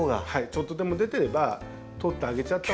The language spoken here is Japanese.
ちょっとでも出てれば取ってあげちゃったほうが。